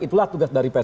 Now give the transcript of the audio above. itulah tugas dari pss